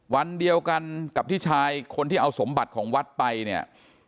วันเดียวกันกับที่ชายคนที่เอาสมบัติของวัดไปเนี่ย